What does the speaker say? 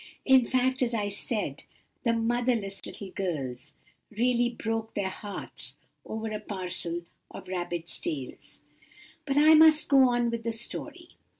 In fact, as I said, the motherless little girls really broke their hearts over a parcel of rabbits' tails. But I must go on with the story.